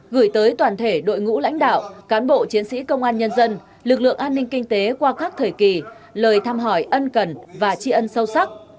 gửi tới toàn thể đội ngũ lãnh đạo cán bộ chiến sĩ công an nhân dân lực lượng an ninh kinh tế qua các thời kỳ lời thăm hỏi ân cần và tri ân sâu sắc